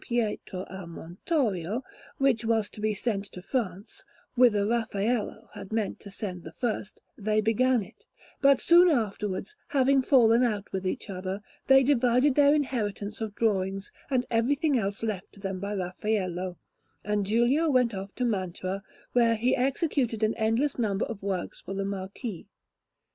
Pietro a Montorio), which was to be sent to France, whither Raffaello had meant to send the first, they began it; but soon afterwards, having fallen out with each other, they divided their inheritance of drawings and everything else left to them by Raffaello, and Giulio went off to Mantua, where he executed an endless number of works for the Marquis.